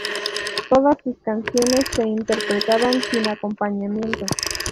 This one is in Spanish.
Todas sus canciones se interpretaban sin acompañamiento.